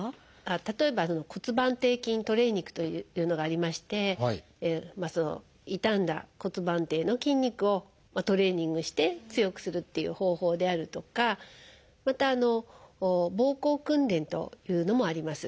例えば「骨盤底筋トレーニング」というのがありまして傷んだ骨盤底の筋肉をトレーニングして強くするっていう方法であるとかまた「ぼうこう訓練」というのもあります。